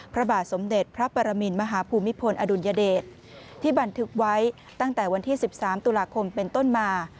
พระบาทสมเด็จพระปรมินมหาภูมิพลอดุลยเดชที่บันทึกไว้ตั้งแต่วันที่๑๓ตุลาคมเป็นต้นมา